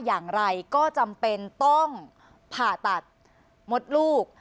อย่างไรก็จำเป็นต้องผ่าตัดมดลูก